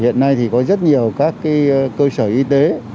hiện nay thì có rất nhiều các cơ sở y tế